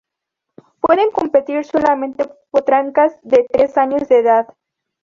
Pueden competir solamente Potrancas de tres años de edad.